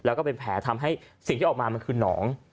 และเป็นแผลทำให้สิ่งที่ออกมาคือน้อง